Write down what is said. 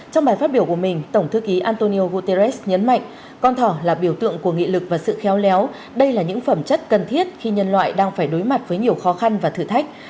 trong bài phát biểu của mình tổng thư ký antonio guterres nhấn mạnh con thỏ là biểu tượng của nghị lực và sự khéo léo đây là những phẩm chất cần thiết khi nhân loại đang phải đối mặt với nhiều khó khăn và thử thách